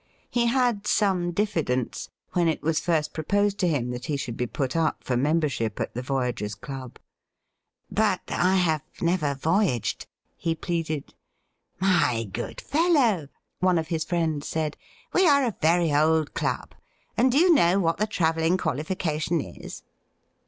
He had some diffidence when it was first proposed to him that he should be put up for membership at the Voyagers' Club. ' But I have never voyaged,' he pleaded. ' My good fellow,' one of his friends said, ' we are a very old club ; and do you know what the travelling qualifica tion is